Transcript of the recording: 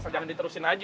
jangan diterusin aja ya